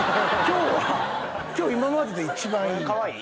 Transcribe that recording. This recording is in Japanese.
今日今までで一番いい。